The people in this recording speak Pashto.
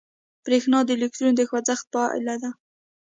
برېښنا د الکترون د خوځښت پایله ده.